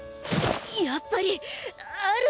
やっぱりある！